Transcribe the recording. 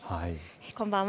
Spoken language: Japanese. こんばんは。